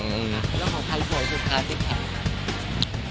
แล้วคำถามความสวยงี้บนซิกแพคอย่างไหน